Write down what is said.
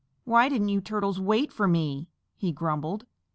"Why didn't you Turtles wait for me?" he grumbled.